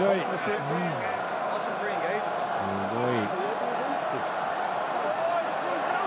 すごい。